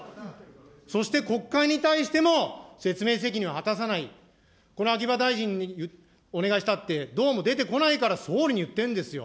そして国会に対しても説明責任を果たさない、これは秋葉大臣にお願いしたって、どうも出てこないから総理に言ってるんですよ。